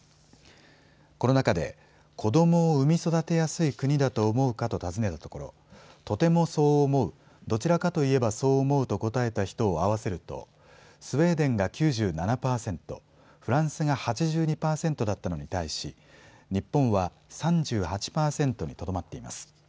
この中で子どもを生み育てやすい国だと思うかと尋ねたところとてもそう思う、どちらかといえばそう思うと答えた人を合わせるとスウェーデンが９７％、フランスが８２％だったのに対し日本は３８％にとどまっています。